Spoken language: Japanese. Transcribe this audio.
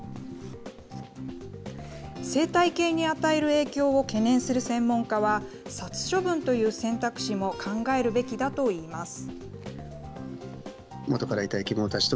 生態系に与える影響を懸念する専門家は、殺処分という選択肢も考えるべきだといいます。